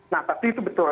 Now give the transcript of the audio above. nah pasti itu betul